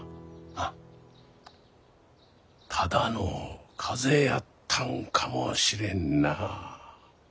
ただの風邪やったんかもしれんな。